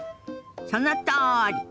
そのとおり！